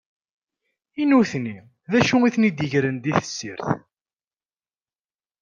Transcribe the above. I nutni, d acu i ten-id-igren di tessirt?